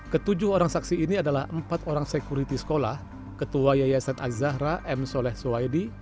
ketujuh orang saksi ini adalah empat orang sekuriti sekolah ketua yayasan azahra m soleh soedi